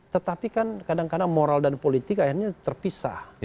tetapi kan kadang kadang moral dan politik akhirnya terpisah